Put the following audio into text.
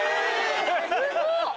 すごっ！